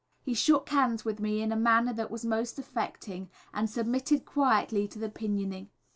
He shook hands with me in a manner that was most affecting, and submitted quietly to the pinioning.